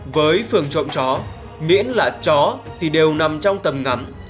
với phường trộm chó miễn là chó thì đều nằm trong tầm ngắm